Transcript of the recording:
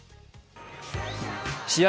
試合